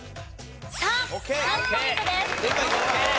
３。３ポイントです。